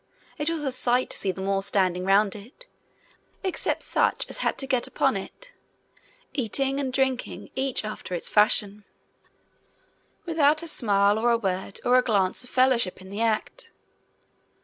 It was a sight to see them all standing round it except such as had to get upon it eating and drinking, each after its fashion, without a smile, or a word, or a glance of fellowship in the act.